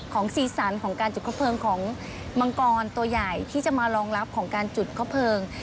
สีสันของการจุดคบเพลิงของมังกรตัวใหญ่ที่จะมารองรับของการจุดคบเพลิง